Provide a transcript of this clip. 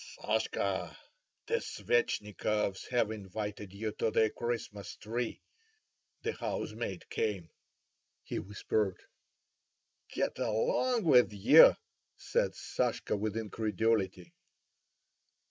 "Sashka! the Svetchnikovs have invited you to the Christmas tree. The housemaid came," he whispered. "Get along with you!" said Sashka with incredulity.